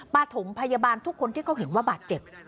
ปฐมพยาบาลทุกคนที่เขาเห็นว่าบาดเจ็บ